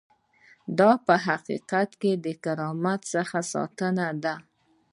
دا په حقیقت کې د کرامت څخه ساتنه ده.